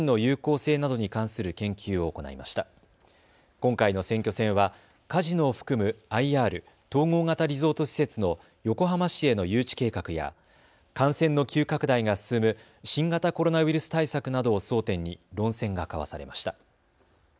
今回の選挙戦は、カジノを含むＩＲ・統合型リゾート施設の横浜市への誘致計画や感染の急拡大が進む新型コロナウイルス対策などを争点に論戦が交わされました。